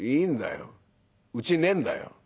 うちねえんだよ」。